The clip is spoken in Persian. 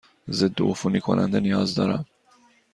ضدعفونی کننده نیاز دارم.